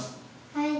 はい。